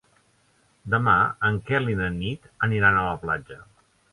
Demà en Quel i na Nit aniran a la platja.